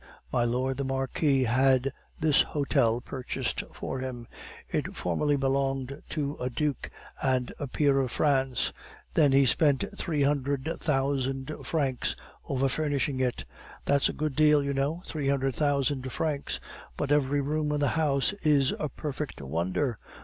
My Lord the Marquis had this hotel purchased for him; it formerly belonged to a duke and a peer of France; then he spent three hundred thousand francs over furnishing it. That's a good deal, you know, three hundred thousand francs! But every room in the house is a perfect wonder.